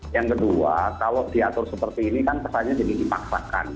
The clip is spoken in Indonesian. yang kedua kalau diatur seperti ini kan kesannya jadi dipaksakan